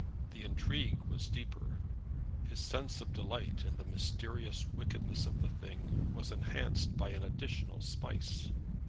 The intrigue was deeper. His sense of delight in the mysterious wickedness of the thing was enhanced by an additional spice.